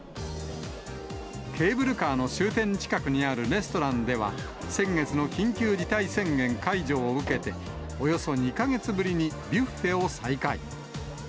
ケーブルカーの終点近くにあるレストランでは、先月の緊急事態宣言解除を受けて、およそ２か月ぶりにビュッフェを再開。